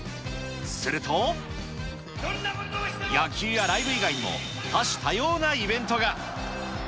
すると、野球やライブ以外にも、多種多様なイベントが。